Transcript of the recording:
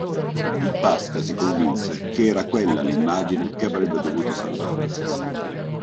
Il Pasca si convinse che era quella l'immagine che avrebbe dovuto salvare.